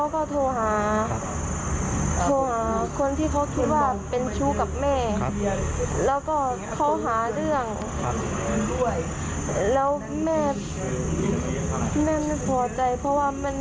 พอดีเค้าก็เลยยิ้งมากเท่าก่อน